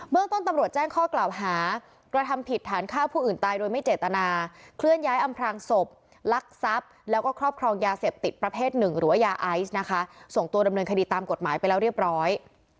เมืองต้นตำรวจแจ้งข้อกล่าวหากระทำผิดฐานฆ่าผู้อื่นตายโดยไม่เจตนาเคลื่อนย้ายอำพลางศพลักทรัพย์แล้วก็ครอบครองยาเสพติดประเภทหนึ่งหรือว่ายาไอซ์นะคะส่งตัวดำเนินคดีตามกฎหมายไปแล้วเรียบร้อย